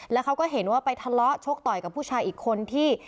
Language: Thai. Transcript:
แล้วเขาก็เห็นว่าไปทะเลาะชกต่อยกับผู้ชายอีกคนที่